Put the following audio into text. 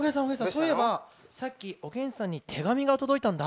そういえばさっきおげんさんに手紙が届いたんだ。